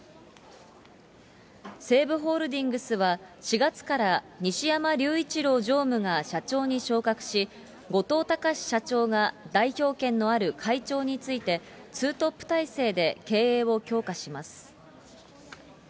西武ホールディングスは、４月から西山隆一郎常務が社長に昇格し、後藤高志社長が代表権のある会長に就いて、ツートップ体制で経営を強化します。